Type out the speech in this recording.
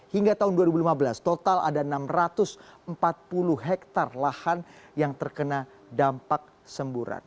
hingga tahun dua ribu lima belas total ada enam ratus empat puluh hektare lahan yang terkena dampak semburan